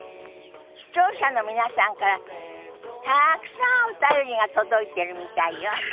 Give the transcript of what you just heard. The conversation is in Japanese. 視聴者の皆さんからたくさんお便りが届いてるみたいよ。